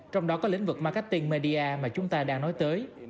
trong đó có lĩnh vực marketing media mà chúng ta đang nói tới